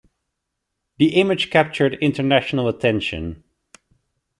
The image captured international attention.